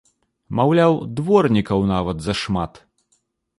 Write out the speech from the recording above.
Маўляў, дворнікаў нават зашмат!